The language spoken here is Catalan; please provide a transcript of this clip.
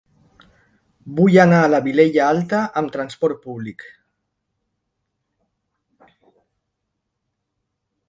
Vull anar a la Vilella Alta amb trasport públic.